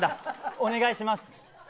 お願いします。